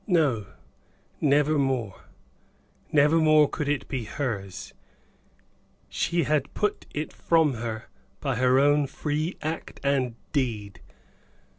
No, never more, never more could it be hers; she had put it from her by her own free act and deed.